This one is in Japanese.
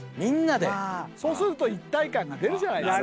そうすると一体感が出るじゃないですか。